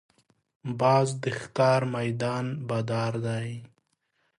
باز د ښکار میدان بادار دی